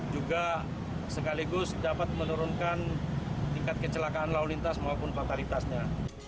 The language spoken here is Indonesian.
juga sekaligus dapat menurunkan tingkat kecelakaan lalu lintas maupun fatalitasnya